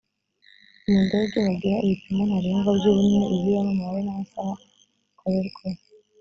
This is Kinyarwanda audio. mu ndege bagira ibipimo ntarengwa by’ ubunini , ibiro n’ umubare n’amasaha bikorerwaho.